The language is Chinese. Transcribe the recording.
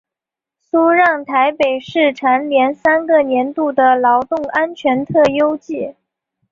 苏让台北市蝉联三个年度的劳动安全特优纪。